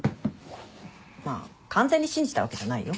まあ完全に信じたわけじゃないよ。